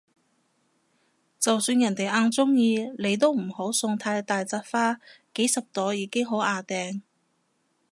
就算人哋哽鍾意你都唔好送太大紮花，幾十朵已經好椏掟